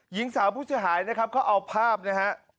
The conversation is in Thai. หญิงสาวผู้เสียหายนะครับเขาเอาภาพนะฮะ